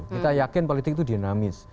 kita yakin politik itu dinamis